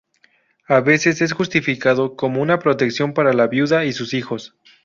A veces es justificado como una protección por la viuda y sus hijos.